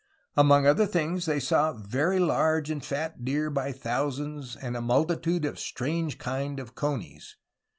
Among other things they saw 'Very large and fat Deere ... by thousands" and '^a, multitude of a strange kinde of Conies.